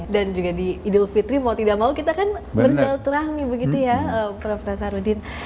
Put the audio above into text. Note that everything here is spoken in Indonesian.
dan juga di idul fitri mau tidak mau kita kan berselterahmi begitu ya prof rasarudin